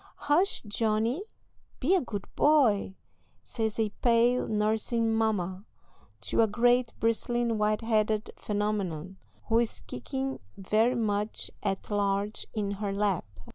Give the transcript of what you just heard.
"Hush, Johnny! be a good boy," says a pale, nursing mamma, to a great, bristling, white headed phenomenon, who is kicking very much at large in her lap.